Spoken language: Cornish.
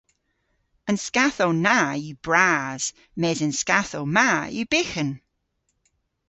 An skathow na yw bras mes an skathow ma yw byghan.